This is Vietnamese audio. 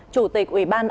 chủ tịch ubnd